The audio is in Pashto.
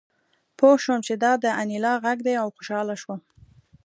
پوه شوم چې دا د انیلا غږ دی او خوشحاله شوم